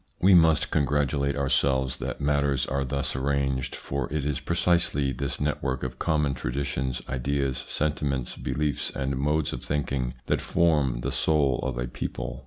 We must congratulate ourselves that matters are thus arranged, for it is precisely this network of common traditions, ideas, sentiments, beliefs, and modes of thinking that form the soul of a people.